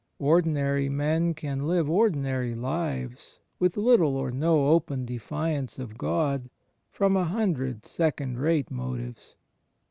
Ordinary men can live ordinary lives, with little or no open defiance of God, from a hundred second rate motives.